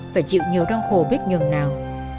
phải chịu nhiều đau khổ biết nhường nào